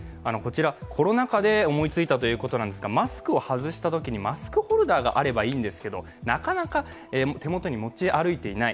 コロナ禍で思いついたということなんですが、マスクを外したときにマスクホルダーがあればいいんですけどなかなか手元に持ち歩いていない。